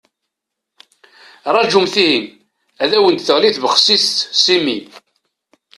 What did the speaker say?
Rajumt ihi, ad awent-d-teɣli tbexsist s imi.